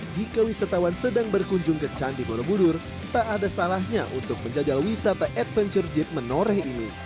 jika wisatawan sedang berkunjung ke candi borobudur tak ada salahnya untuk menjajal wisata adventure jeep menoreh ini